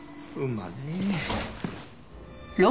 馬ねえ。